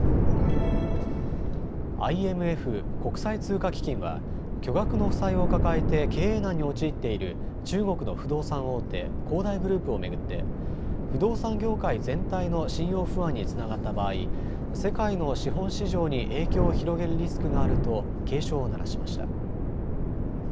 ＩＭＦ・国際通貨基金は巨額の負債を抱えて経営難に陥っている中国の不動産大手、恒大グループを巡って不動産業界全体の信用不安につながった場合、世界の資本市場に影響を広げるリスクがあると警鐘を鳴らしました。